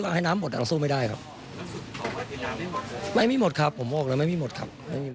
ไม่มีหมดครับผมบอกแล้วไม่มีหมดครับ